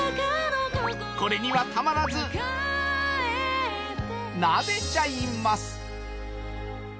これにはたまらずなでちゃいます